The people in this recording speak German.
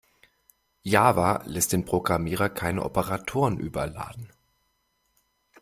Java lässt den Programmierer keine Operatoren überladen.